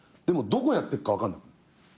でもどこやってっか分かんなくなる。